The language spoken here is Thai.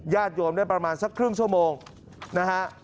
โยมได้ประมาณสักครึ่งชั่วโมงนะฮะ